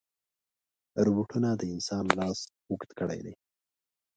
روبوټونه د انسان لاس اوږد کړی دی.